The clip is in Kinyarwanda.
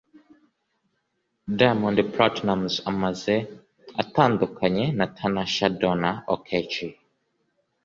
diamond platnumz amaze atandukanye na tanasha donna oketch